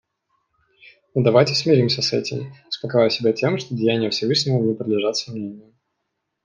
Но давайте смиримся с этим, успокаивая себя тем, что деяния Всевышнего не подлежат сомнению.